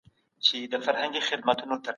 د دراني امپراتورۍ مرکز چيرته و؟